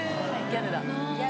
ギャルだ。